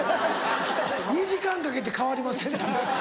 ２時間かけて変わりませんっていう。